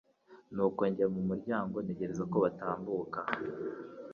nuko njya ku muryango ntegereza kobatambuka